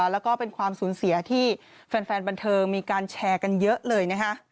แล้วก็เป็นความสูญเสียที่แฟนบันเทิงมีการแชร์กันเยอะเลยนะคะ